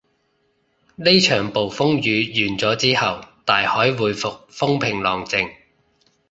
呢場暴風雨完咗之後，大海回復風平浪靜